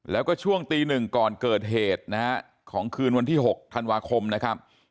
แล้วก็ช่วงตีหนึ่งก่อนเกิดเหตุนะฮะของคืนวันที่๖ธันวาคมนะครับ